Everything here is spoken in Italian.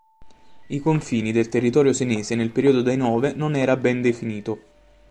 I confini del territorio senese nel periodo dei Nove non era ben definito.